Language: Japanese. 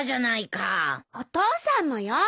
お父さんもよ。